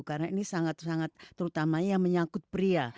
karena ini sangat sangat terutamanya yang menyangkut pria